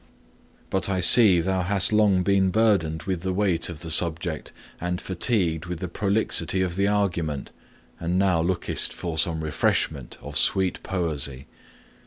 'But I see thou hast long been burdened with the weight of the subject, and fatigued with the prolixity of the argument, and now lookest for some refreshment of sweet poesy.